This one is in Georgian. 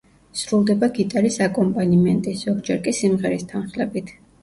სრულდება გიტარის აკომპანიმენტის, ზოგჯერ კი სიმღერის თანხლებით.